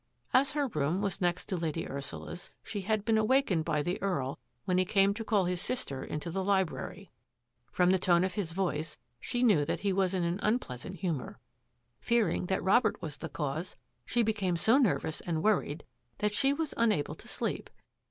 As her room was next to Lady Ursula's, she had been awakened by the Earl when he came to call his sister into the library. From the tone of his voice she knew that he was in an unpleasant humour. Fearing that Robert was the cause, she became so nervous and worried that she was unable to sleep.